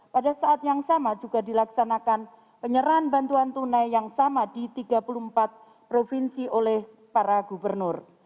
pada saat yang sama juga dilaksanakan penyerahan bantuan tunai yang sama di tiga puluh empat provinsi oleh para gubernur